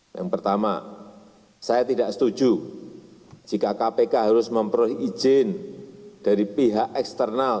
yang pertama saya tidak setuju jika kpk harus memperoleh izin dari pihak eksternal